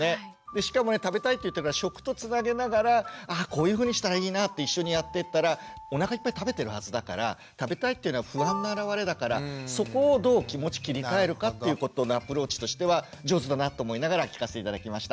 しかもね食べたいって言ってるから食とつなげながらあこういうふうにしたらいいなって一緒にやっていったらおなかいっぱい食べてるはずだから食べたいっていうのは不安の表れだからそこをどう気持ち切り替えるかっていうことのアプローチとしては上手だなと思いながら聞かせて頂きました。